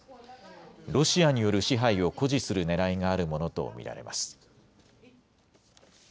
ロシアによる支配を誇示するねらいがあるものと見られます。